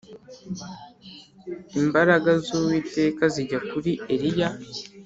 Imbaraga z’Uwiteka zijya kuri Eliya